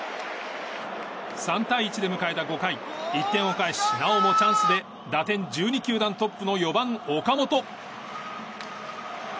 ３対１で迎えた５回１点を返し、なおもチャンスで打点１２球団トップの４番、岡本。